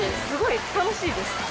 すごい楽しいです。